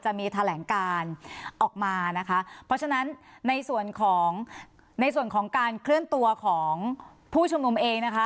จะมีแถลงการออกมานะคะเพราะฉะนั้นในส่วนของในส่วนของการเคลื่อนตัวของผู้ชุมนุมเองนะคะ